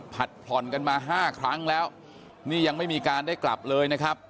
ผ่อนกันมาห้าครั้งแล้วนี่ยังไม่มีการได้กลับเลยนะครับ